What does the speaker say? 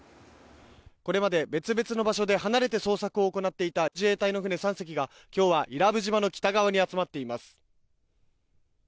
これまで別々の場所で離れて捜索を行っていた自衛隊の船３隻が今日は伊良部島の北に集まっています。